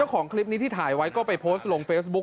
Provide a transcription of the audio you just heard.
ของคลิปนี้ที่ถ่ายไว้ก็ไปโพสต์ลงเฟซบุ๊ค